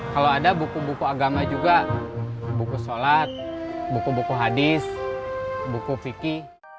kalau ada buku buku agama juga buku sholat buku buku hadis buku fikih